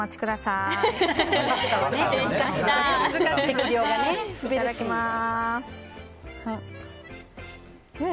いただきます。